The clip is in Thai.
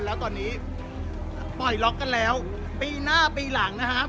แล้วตอนนี้ปล่อยล็อกกันแล้วปีหน้าปีหลังนะครับ